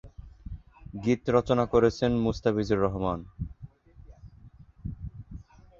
গীত রচনা করেছেন মুস্তাফিজুর রহমান।